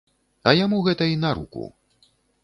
А яму гэта й наруку.